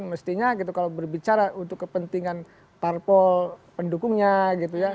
mestinya kalau berbicara untuk kepentingan tarpol pendukungnya